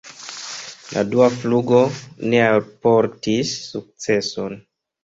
La dua flugo ne alportis sukceson.